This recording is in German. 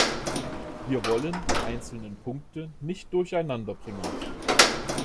Wir wollen die einzelnen Punkte nicht durcheinander bringen.